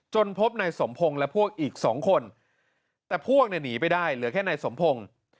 จนพบในสมพงศ์และพวกอีก๒คนแต่พวกน่ะหนีไปได้เหลือแค่ในสมพงศ์